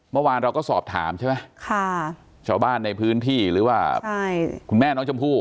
เมื่อวานเราก็สอบถามใช่ไหมชาวบ้านในพื้นที่หรือว่าคุณแม่น้องชมพู่